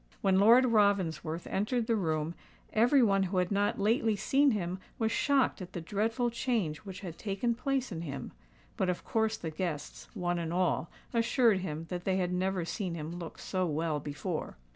When Lord Ravensworth entered the room, every one who had not lately seen him was shocked at the dreadful change which had taken place in him; but of course the guests, one and all, assured him that they had never seen him look so well before.